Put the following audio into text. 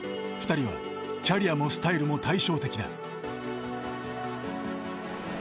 ２人はキャリアもスタイルも対照的だ。